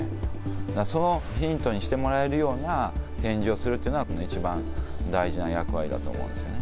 だから、そのヒントにしてもらえるような展示をするというのが、一番大事な役割だと思うんですよね。